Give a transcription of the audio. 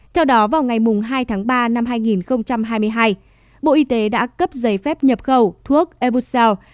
theo đó vào ngày hai tháng ba năm hai nghìn hai mươi hai bộ y tế đã cấp giấy phép nhập khẩu thuốc eboodel